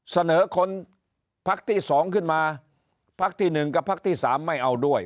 เสนอคนพักที่๒ขึ้นมาพักที่๑กับพักที่๓ไม่เอาด้วย